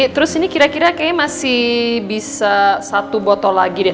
terus ini kira kira kayaknya masih bisa satu botol lagi deh